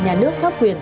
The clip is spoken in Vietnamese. nhà nước pháp quyền